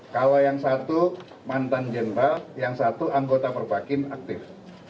kalau yang satu mantan jenderal yang satu anggota perbakin aktif